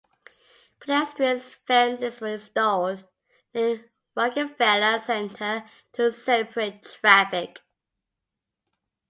Pedestrian fences were installed near Rockefeller Center to separate traffic.